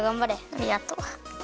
ありがとう。